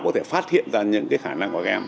có thể phát hiện ra những khả năng của các em